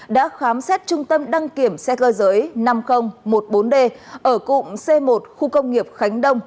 đã khám xét trung tâm đăng kiểm xe cơ giới năm nghìn một mươi bốn d ở cụm c một khu công nghiệp khánh đông